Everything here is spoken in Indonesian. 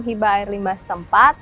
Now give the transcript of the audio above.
hibah air limbah setempat